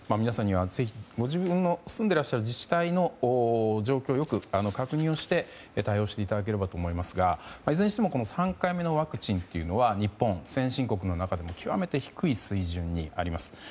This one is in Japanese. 皆さんにはぜひご自分の住んでらっしゃる自治体の状況をよく確認して対応していただければと思いますがいずれにしても３回目のワクチンというのは日本、先進国の中でも極めて低い水準にあります。